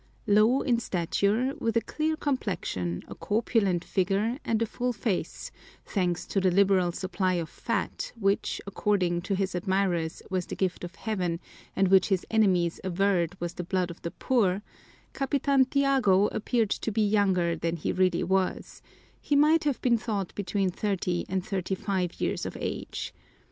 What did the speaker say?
Low in stature, with a clear complexion, a corpulent figure and a full face, thanks to the liberal supply of fat which according to his admirers was the gift of Heaven and which his enemies averred was the blood of the poor, Capitan Tiago appeared to be younger than he really was; he might have been thought between thirty and thirty five years of age.